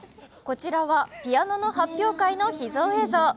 こちらはピアノの発表会の秘蔵映像。